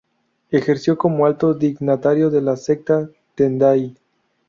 Ejerció como alto dignatario de la secta "Tendai".